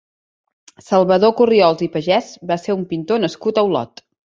Salvador Corriols i Pagès va ser un pintor nascut a Olot.